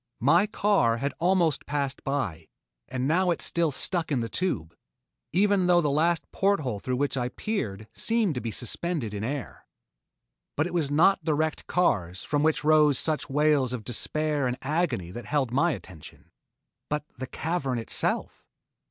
My car had almost passed by, and now it still stuck in the tube, even though the last port hole through which I peered seemed to be suspended in air. But it was not the wrecked cars from which rose such wails of despair and agony that held my attention, but the cavern itself.